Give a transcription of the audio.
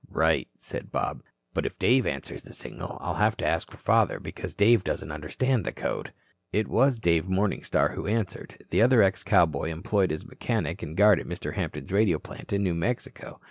"Right," said Bob. "But if Dave answers the signal, I'll have to ask for father, because Dave doesn't understand the code." It was Dave Morningstar who answered, the other ex cowboy employed as mechanic and guard at Mr. Hampton's radio plant in New Mexico.